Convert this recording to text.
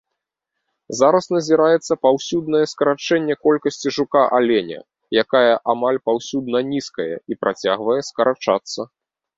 Зараз назіраецца паўсюднае скарачэнне колькасці жука-аленя, якая амаль паўсюдна нізкая і працягвае скарачацца.